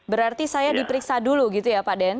berarti saya diperiksa dulu gitu ya pak den